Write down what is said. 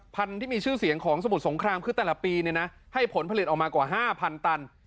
ที่มีชื่อเสียงของสมุทรสงครามคือแต่ละปีเนี่ยนะให้ผลผลิตออกมากว่า๕๐๐ตัน